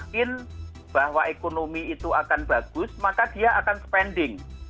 mbak dia yang bikin bahwa ekonomi itu akan bagus maka dia akan spending